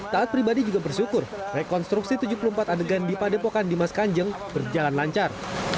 taat pribadi juga bersyukur rekonstruksi tujuh puluh empat adegan di padepokan dimas kanjeng berjalan lancar